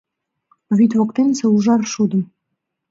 Вӱд воктенысе ужар шудым